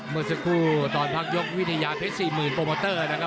เมื่อสักครู่ตอนพักยกวิทยาเพชร๔๐๐๐โปรโมเตอร์นะครับ